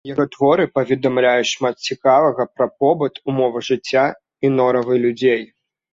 Яго творы паведамляюць шмат цікавага пра побыт, умовы жыцця і норавы людзей.